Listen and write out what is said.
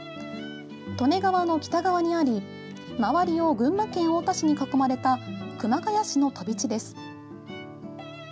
利根川の北側にあり周りを群馬県太田市に囲まれた熊谷市の飛び地です。